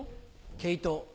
毛糸。